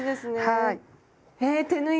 はい。